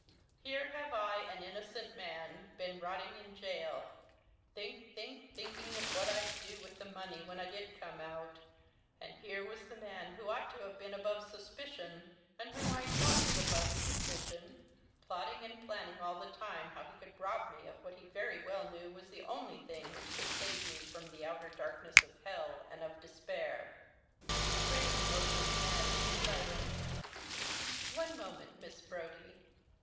Here have I, an innocent man, been rotting in gaol, think, think, thinking of what I'd do with the money when I did come out, and here was the man who ought to have been above suspicion, and whom I thought was above suspicion, plotting and planning all the time how he could rob me of what he very well knew was the only thing which could save me from the outer darkness of hell and of despair." Graham motioned Madge to silence. "One moment, Miss Brodie.